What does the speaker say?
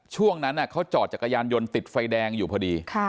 ช่วงนั้นเขาจอดจักรยานยนต์ติดไฟแดงอยู่พอดี